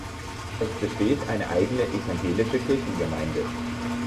Es besteht eine eigene Evangelische Kirchengemeinde.